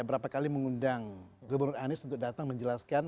berapa kali mengundang gubernur anies untuk datang menjelaskan